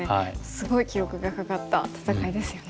すごい記録がかかった戦いですよね。